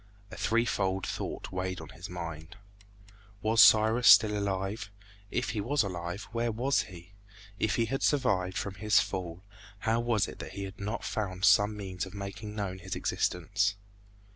A threefold thought weighed on his mind. Was Cyrus still alive? If he was alive, where was he? If he had survived from his fall, how was it that he had not found some means of making known his existence?